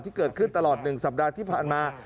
ที่เกิดขึ้นตลอด๑สัปดาห์ที่ผ่านมา